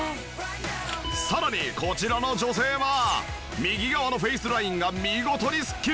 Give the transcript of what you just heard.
さらにこちらの女性は右側のフェイスラインが見事にスッキリ！